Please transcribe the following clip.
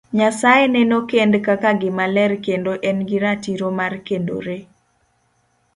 Nyasaye neno kend kaka gima ler kendo en gi ratiro mar kendore.